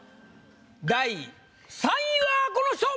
第３位はこの人！